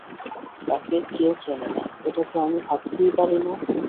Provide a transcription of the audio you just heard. তাকে কেউ চেনে না, এটা তো আমি ভাবতেই পারি না।